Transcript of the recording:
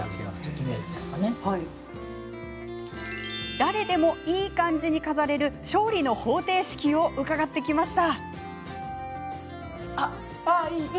誰でも、いい感じに飾れる勝利の方程式伺ってきました。